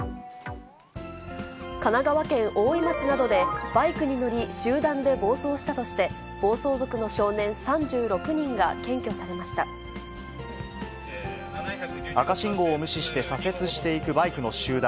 神奈川県大井町などで、バイクに乗り、集団で暴走したとして暴走族の少年３６人が検挙さ赤信号を無視して左折していくバイクの集団。